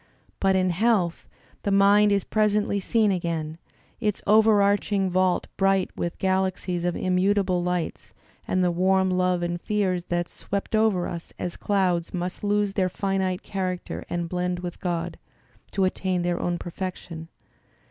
But in health the mind is presently seen again — its overarching vault bright with the galaxies of immutable lights, and the warm loves and fears that swept over us as clouds must lose their finite character and blend with God, Digitized by Google EMERSON es to attain their own perfection."